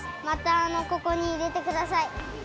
またここにいれてください。